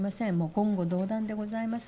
言語道断でございます。